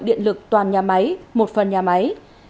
điện lực toàn nhà máy một phần nhà máy